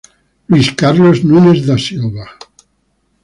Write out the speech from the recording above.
Luís Carlos Nunes da Silva